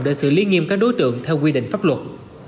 để xử lý nghiêm các đối tượng theo quy định pháp luật